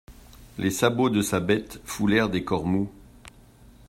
Les sabots de sa bête foulèrent des corps mous.